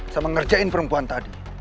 sama ngerjain perempuan tadi